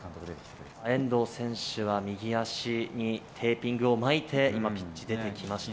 遠藤選手は右足にテーピングを巻いて今、ピッチ出てきました。